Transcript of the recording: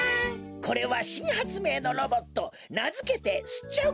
これはしんはつめいのロボットなづけてすっちゃう